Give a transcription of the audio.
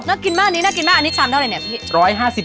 กินมากนี้น่ากินมากอันนี้ชามเท่าไรเนี่ยพี่